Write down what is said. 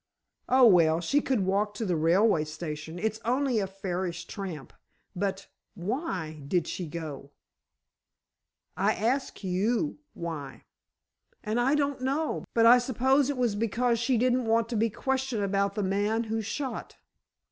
"Oh, well, she could walk to the railway station. It's only a fairish tramp. But why did she go?" "I ask you why." "And I don't know. But I suppose it was because she didn't want to be questioned about the man who shot."